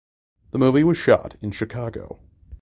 The movie was shot in Chicago.